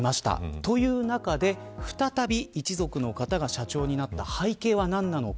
という中で、再び一族の方が社長になった背景は何なのか。